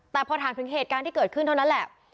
แต่พอถามถึงเหตุการณ์ที่เกิดขึ้นเท่านั้นแหละ